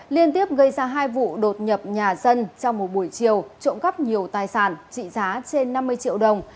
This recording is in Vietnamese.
liên tiếp gây ra hai vụ đột nhập nhà dân trong một buổi chiều trộm cắp nhiều tài sản trị giá trên năm mươi triệu đồng